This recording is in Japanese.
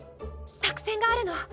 作戦があるの。